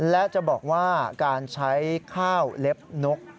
และจะบอกว่าการใช้ข้าวเล็บนก